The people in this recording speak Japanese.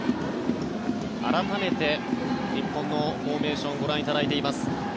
改めて日本のフォーメーションご覧いただいています。